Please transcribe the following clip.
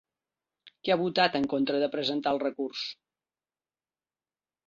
Qui ha votat en contra de presentar el recurs?